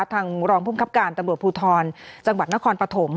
ทางรองพุ่มครับการทบภูทลจังหวัดนครปฐม